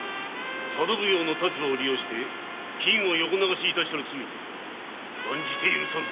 佐渡奉行の立場を利用し金を横流ししたる罪断じて許さん！